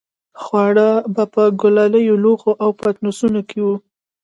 خواړه به په کلالي لوښو او پتنوسونو کې وو.